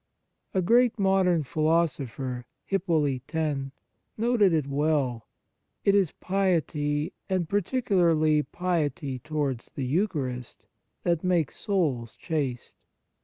A great modern philosopher, Hippolyte Taine, noted it well : it is piety, and particularly piety towards the Eucharist, that makes souls chaste.